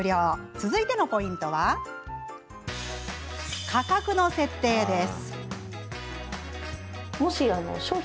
続いてのポイントは価格の設定です。